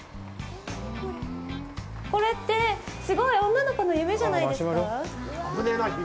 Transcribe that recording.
これって、すごい女の子の夢じゃないですか？